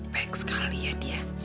baik sekali ya di